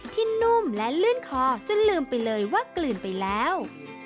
นุ่มและลื่นคอจนลืมไปเลยว่ากลื่นไปแล้ว